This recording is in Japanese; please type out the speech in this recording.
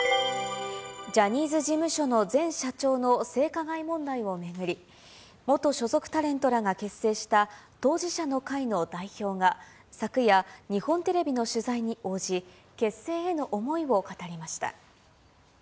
ジャニーズ事務所の前社長の性加害問題を巡り、元所属タレントらが結成した当事者の会の代表が、昨夜、日本テレビの取材に応じ、結成への思いを語りました。